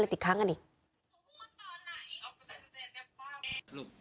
หัวฟาดพื้น